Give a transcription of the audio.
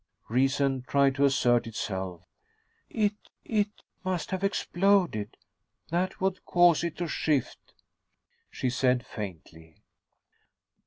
Reason tried to assert itself. "It it must have exploded. That would cause it to shift," she said faintly.